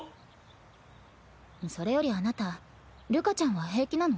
それよりあなたるかちゃんは平気なの？